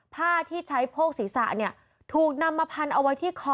ผ้าที่ใช้โพกศีรษะเนี่ยถูกนำมาพันเอาไว้ที่คอ